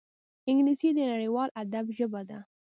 انګلیسي د نړیوال ادب ژبه ده